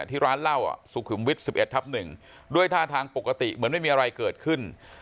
ที่ร้านเหล้าสุขุมวิทย์๑๑ทับ๑ด้วยท่าทางปกติเหมือนไม่มีอะไรเกิดขึ้น